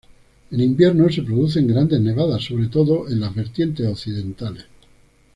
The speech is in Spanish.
En invierno se producen grandes nevadas, sobre todo en las vertientes occidentales.